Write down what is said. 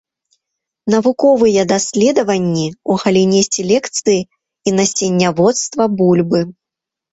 Навуковыя даследаванні ў галіне селекцыі і насенняводства бульбы.